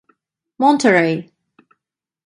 Monterrey.